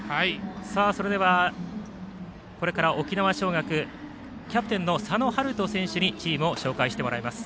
それではこれから沖縄尚学キャプテンの佐野春斗選手にチームを紹介してもらいます。